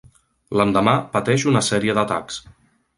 L'endemà pateix una sèrie d'atacs.